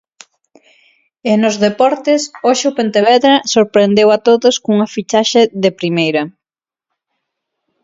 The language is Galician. E nos deportes, hoxe o Pontevedra sorprendeu a todos cunha fichaxe de primeira.